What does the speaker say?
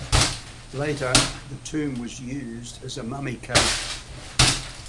Later the tomb was used as a mummy cache.